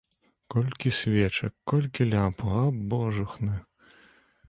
Колькі свечак, колькі лямпаў, а божухна!